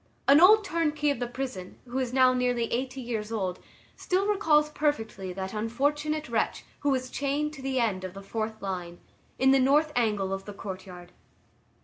An old turnkey of the prison, who is now nearly eighty years old, still recalls perfectly that unfortunate wretch who was chained to the end of the fourth line, in the north angle of the courtyard.